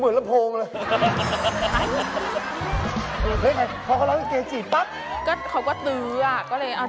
พี่บอกอีกครั้งว่าละขี้ตำ